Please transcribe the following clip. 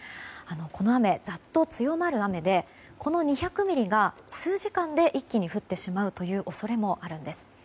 この雨、ざっと強まる雨でこの２００ミリが数時間で一気に降ってしまう恐れもあるんです。